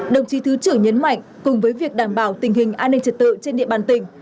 đồng chí thứ trưởng nhấn mạnh cùng với việc đảm bảo tình hình an ninh trật tự trên địa bàn tỉnh